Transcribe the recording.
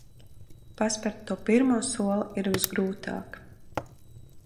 Paspert to pirmo soli ir visgrūtāk.